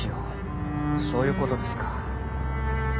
そういう事ですか。